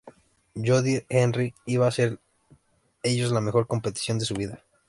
Jodie Henry iba a hacer en ellos la mejor competición de su vida.